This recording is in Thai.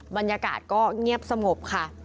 บรรยากาศก็เงียบสงบค่ะ